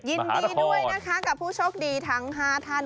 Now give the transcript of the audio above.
ยินดีด้วยนะคะกับผู้โชคดีทั้ง๕ท่าน